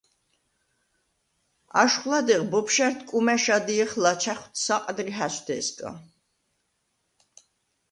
აშხვ ლადეღ ბოფშა̈რდ კუმა̈შ ადჲეხ ლაჩა̈ხვდ საყდრი ჰა̈ზვთე̄სგა.